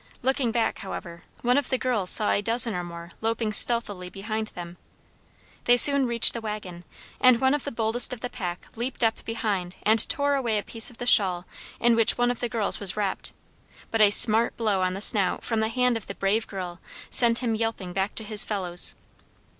Looking back, however, one of the girls saw a dozen or more loping stealthily behind them. They soon reached the wagon, and one of the boldest of the pack leaped up behind and tore away a piece of the shawl in which one of the girls was wrapped, but a smart blow on the snout from the hand of the brave girl sent him yelping back to his fellows.